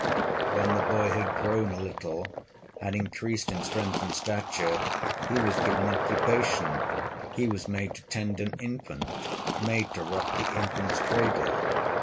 When the boy had grown a little, Had increased in strength and stature, He was given occupation, He was made to tend an infant, Made to rock the infant's cradle.